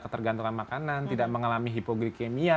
ketergantungan makanan tidak mengalami hipogrikimia